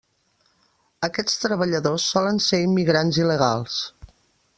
Aquests treballadors solen ser immigrants il·legals.